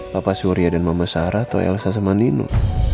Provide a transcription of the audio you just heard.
papa surya dan mama sarah atau elsa sama nino